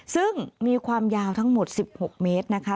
ซึ่งมีความยาวทั้งหมด๑๖เมตรนะคะ